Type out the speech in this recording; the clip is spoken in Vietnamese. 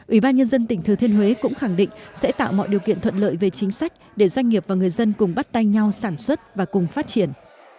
ủy ban nhân dân tỉnh thừa thiên huế cũng khẳng định sẽ tạo mọi điều kiện thuận lợi về chính sách để doanh nghiệp và người dân cùng bắt tay nhau sản xuất và cùng phát triển